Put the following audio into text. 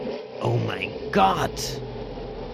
Oh mein Gott!